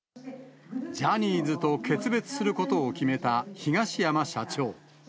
ジャニーズと決別することを決めた東山社長。